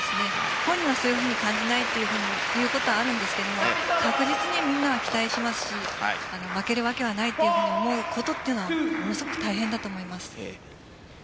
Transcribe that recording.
本人はそういうふうに感じないということはあるんですが確実にみんなは期待しますし負けるわけはないと思うことというのはものすごく大変だと思います。